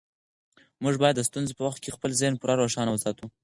موږ باید د ستونزو په وخت کې خپل ذهن پوره روښانه وساتو.